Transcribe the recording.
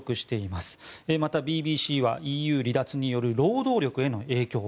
また、ＢＢＣはＥＵ離脱による労働力への影響